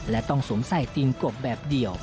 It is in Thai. และต้องสวมใส่ติงกบแบบเดียว